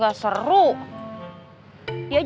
gak bisa begini terus